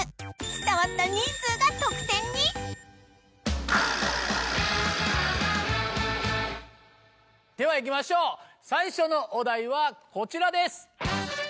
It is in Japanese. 伝わった人数が得点にではいきましょう最初のお題はこちらです